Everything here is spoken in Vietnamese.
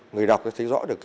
người đọc sẽ thấy rõ được